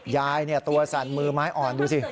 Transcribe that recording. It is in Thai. ยายตัวสั่นมือไม้อ่อนดูสิ